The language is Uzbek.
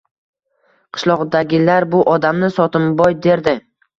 Qishloqdagilar bu odamni Sotimboy derdi.